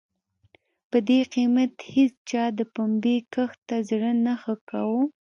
په دې قېمت هېچا د پنبې کښت ته زړه نه ښه کاوه.